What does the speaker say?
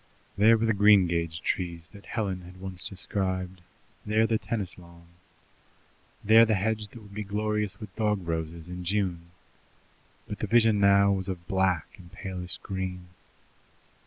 There were the greengage trees that Helen had once described, there the tennis lawn, there the hedge that would be glorious with dog roses in June, but the vision now was of black and palest green.